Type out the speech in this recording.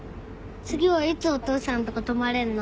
次はいつお父さんのとこ泊まれんの？